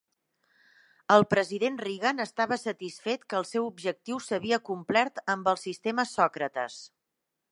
El president Reagan estava satisfet que el seu objectiu s'havia complert amb el sistema Sòcrates.